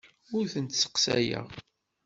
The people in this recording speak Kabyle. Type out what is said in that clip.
Ur tent-sseqsayeɣ.